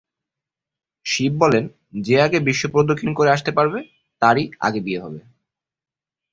শিব বলেন, যে আগে বিশ্ব প্রদক্ষিণ করে আসতে পারবে তারই আগে বিয়ে হবে।